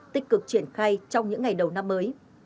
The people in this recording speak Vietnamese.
tích cực triển khai trong những ngày đầu năm mới